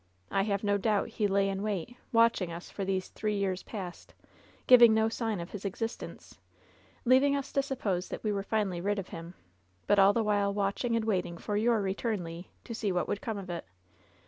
I have no doubt he lay in wait, watch ing us for these three years past, giving no sign of his existence, leaving us to suppose that we were finally rid of him, but all the while watching and waiting for your return, Le, to see what would come of it.